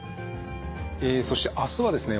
えそして明日はですね